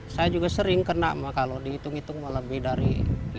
saya juga sering kena kalau dihitung hitung malah lebih dari lima puluh